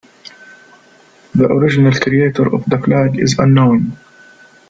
The original creator of the flag is unknown.